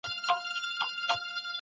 هغه به په پوره صداقت کار وکړي.